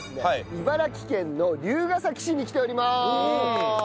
茨城県の龍ケ崎市に来ております。